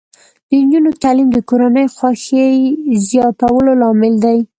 د نجونو تعلیم د کورنۍ خوښۍ زیاتولو لامل دی.